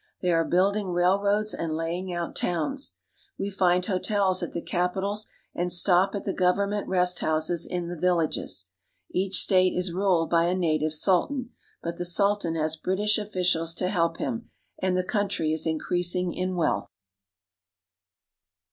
They are building rail roads and laying out towns. We find hotels at the capitals and stop at the government rest houses in the villages. Each state is ruled by a native sultan, but the sultan has British officials to help him, and the country is increasing in wealth.